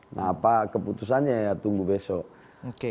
nah apa keputusannya ya tunggu besok